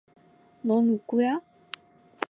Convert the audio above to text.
너 누구야?